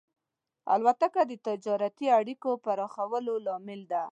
الوتکه د تجارتي اړیکو پراخېدلو لامل ده.